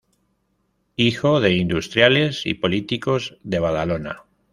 Hijo de industriales y políticos de Badalona.